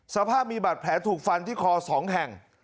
สภาพมีบาดแผลถูกฟันที่คอ๒แห่ง